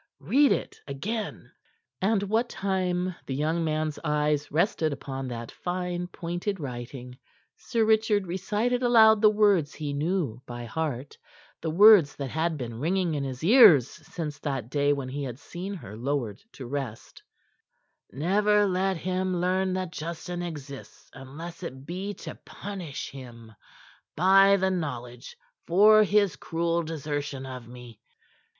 Read it again." And what time the young man's eyes rested upon that fine, pointed writing, Sir Richard recited aloud the words he knew by heart, the words that had been ringing in his ears since that day when he had seen her lowered to rest: "'Never let him learn that Justin exists unless it be to punish him by the knowledge for his cruel desertion of me.'